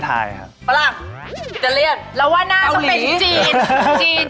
อิตาเลียนเราว่าน่าก็เป็นจีน